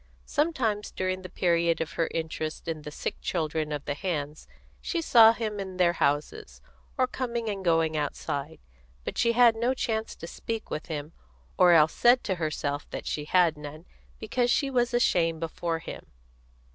Sometimes during the period of her interest in the sick children of the hands, she saw him in their houses, or coming and going outside; but she had no chance to speak with him, or else said to herself that she had none, because she was ashamed before him.